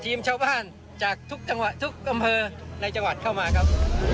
ทีมชาวบ้านจากทุกกำเภอในจังหวัดเข้ามาครับ